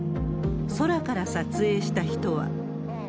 空から撮影した人は。